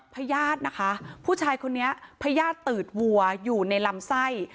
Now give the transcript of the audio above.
พญาตินะคะผู้ชายคนนี้พญาติตืดวัวอยู่ในลำไส้